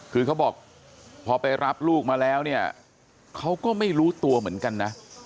คือเขาบอกพอไปรับลูกมาแล้วเนี่ยเขาก็ไม่รู้ตัวเหมือนกันนะ